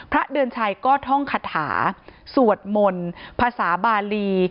พระเดินชัยก็ท่องคาถาสวดหม่นภาษาบาลี